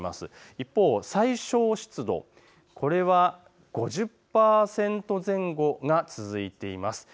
一方、最小湿度、これは５０％前後が続いています。